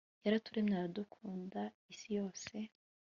yaraturemye aradukunda, isi yose